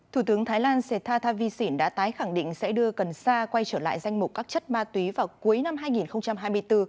thủ tướng thái lan seta thavisin đã tái khẳng định sẽ đưa cần sa quay trở lại danh mục các chất ma túy vào cuối năm hai nghìn hai mươi bốn